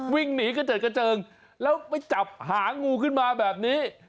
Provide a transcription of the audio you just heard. วิ่งหนีกระเจิดกระเจิงแล้วไปจับหางูขึ้นมาแบบนี้